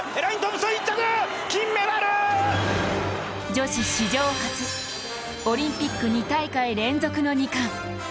女子史上初、オリンピック２大会連続の２冠。